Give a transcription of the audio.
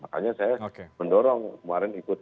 hanya saya mendorong kemarin ikut